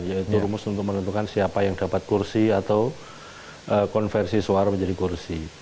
yaitu rumus untuk menentukan siapa yang dapat kursi atau konversi suara menjadi kursi